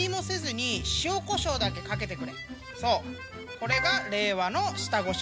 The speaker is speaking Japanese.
これが令和の下ごしらえだな。